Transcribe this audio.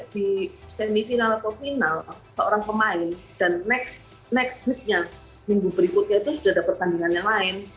di semifinal atau final seorang pemain dan next weeknya minggu berikutnya itu sudah ada pertandingan yang lain